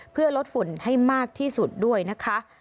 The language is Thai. เพื่อลดฝุ่นให้มากที่สุดด้วยนะคะ